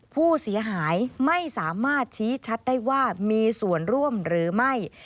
ผู้เสียหายไม่สามารถชี้ชัดได้ว่ามีส่วนร่วมหรือไม่